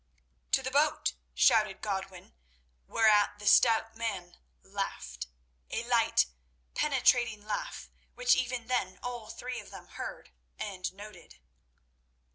"To the boat!" shouted Godwin, whereat the stout man laughed—a light, penetrating laugh, which even then all three of them heard and noted.